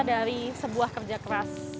dari sebuah kerja keras